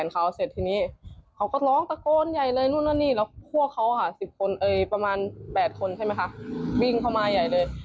วิ่งเข้ามาใหญ่เลย